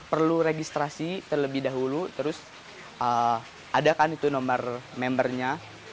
cuman perlu registrasi terlebih dahulu terus adakan itu nomor membernya